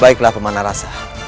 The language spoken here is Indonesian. baiklah pemanang rasa